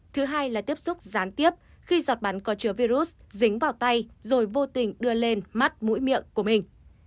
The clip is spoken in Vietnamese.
thứ hai là tiếp xúc gián tiếp khi giọt bắn có chứa virus dính vào tay rồi vô tình đưa lên mắt mũi miệng của mình